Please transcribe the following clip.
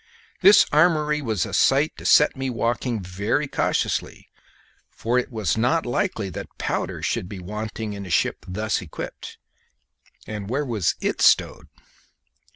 This armoury was a sight to set me walking very cautiously, for it was not likely that powder should be wanting in a ship thus equipped; and where was it stowed?